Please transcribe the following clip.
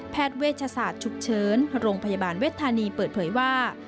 เวชศาสตร์ฉุกเฉินโรงพยาบาลเวทธานีเปิดเผยว่า